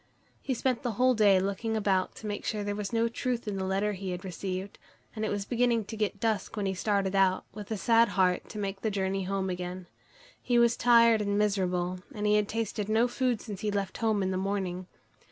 He spent the whole day looking about to make sure there was no truth in the letter he had received, and it was beginning to get dusk when he started out, with a sad heart, to make the journey home again. He was tired and miserable, and he had tasted no food since he left home in the morning.